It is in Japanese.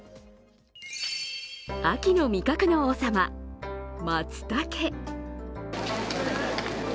秋の味覚の王様、まつたけ。